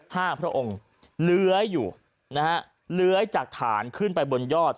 พระองค์เลื้อยอยู่นะฮะเลื้อยจากฐานขึ้นไปบนยอด